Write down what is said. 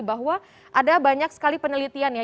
bahwa ada banyak sekali penelitian ya